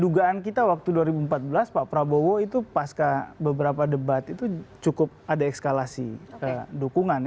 dugaan kita waktu dua ribu empat belas pak prabowo itu pasca beberapa debat itu cukup ada ekskalasi dukungan